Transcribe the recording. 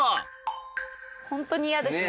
ホントに嫌ですね。